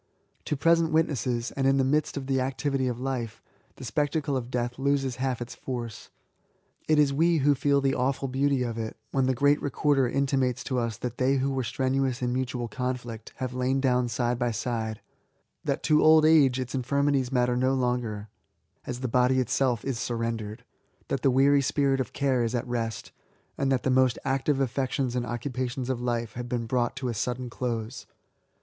To present witnesses, and in the midst of the activity of life, the spec tacle of death loses half its force. It is we who feel the awful beauty of it, when the great Becorder intimates to us that they who were strenuous in mutual conflict have lain down side by side ; that to old age its infirmities matter no longer, as the body itself is surrendered; that the weary spirit of care is at rest, and that the most active affections and occupations of life have been LIFE TO THB INVALID. 89 brought to a sudden close.